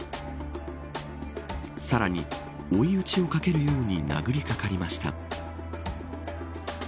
さらに、追い討ちをかけるように殴りかかりました。